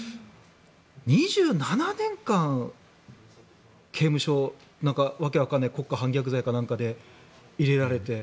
２７年間、刑務所訳わからない国家反逆罪か何かで入れられて。